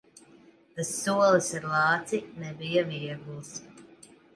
Tas solis ar lāci nebija viegls.